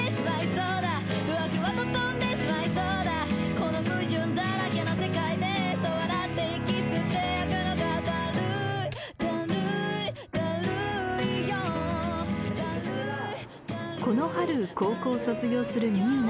この春高校を卒業するみゆな。